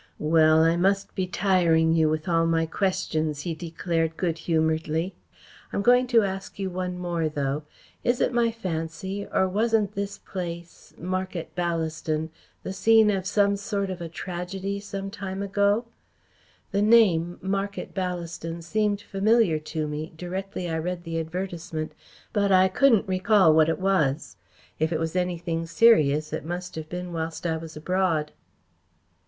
"Well, I must be tiring you with all my questions," he declared good humouredly. "I'm going to ask you one more, though. Is it my fancy, or wasn't this place Market Ballaston the scene of some sort of a tragedy some time ago? The name Market Ballaston seemed familiar to me directly I read the advertisement, but I couldn't recall what it was. If it was anything serious, it must have been whilst I was abroad."